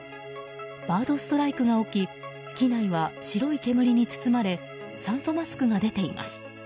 バードストライクが起き機内は白い煙に包まれ酸素マスクが出ています。